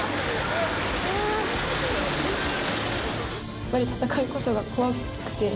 やっぱり戦うことが怖くて。